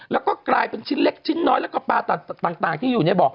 แล้วก็กลายเป็นชิ้นเล็กชิ้นน้อยแล้วก็ปลาต่างที่อยู่ในบ่อ